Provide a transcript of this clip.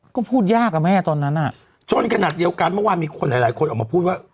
ก็พูดยากอ่ะแม่ตอนนั้นอ่ะจนขนาดเดียวกันเมื่อวานมีคนหลายหลายคนออกมาพูดว่า